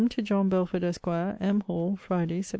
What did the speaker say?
TO JOHN BELFORD, ESQ. M. HALL, FRIDAY, SEPT.